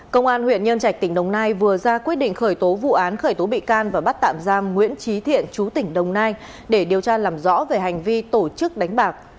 công an huyện nhân trạch tỉnh đồng nai vừa ra quyết định khởi tố vụ án khởi tố bị can và bắt tạm giam nguyễn trí thiện chú tỉnh đồng nai để điều tra làm rõ về hành vi tổ chức đánh bạc